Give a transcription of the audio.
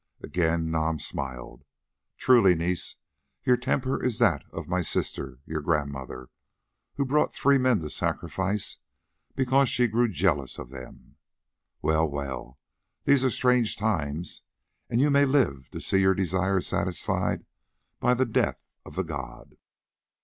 Again Nam smiled. "Truly, niece, your temper is that of my sister, your grandmother, who brought three men to sacrifice because she grew jealous of them. Well, well, these are strange times, and you may live to see your desire satisfied by the death of the god.